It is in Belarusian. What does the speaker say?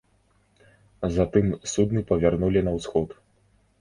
Затым судны павярнулі на ўсход.